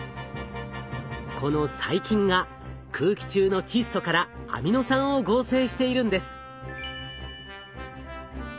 この細菌が空気中の窒素からアミノ酸を合成しているんです。